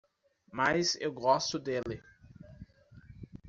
Mas eu gosto dele.